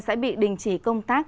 sẽ bị đình chỉ công tác